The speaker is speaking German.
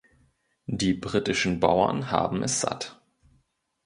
Die britischen Bauern haben es satt.